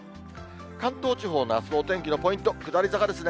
関東地方のあすのお天気のポイント、下り坂ですね。